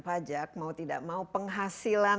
pajak mau tidak mau penghasilan